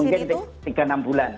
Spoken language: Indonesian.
mungkin tiga enam bulan